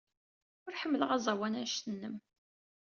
Ur ḥemmleɣ aẓawan anect-nnem.